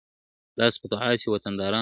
لاس په دعا سی وطندارانو ,